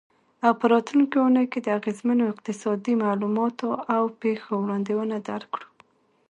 او په راتلونکې اونۍ کې د اغیزمنو اقتصادي معلوماتو او پیښو وړاندوینه درکړو.